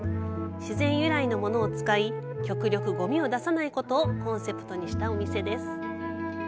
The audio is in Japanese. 自然由来のものを使い極力ごみを出さないことをコンセプトにしたお店です。